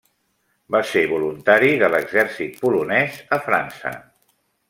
Va ser voluntari de l'exèrcit polonès a França.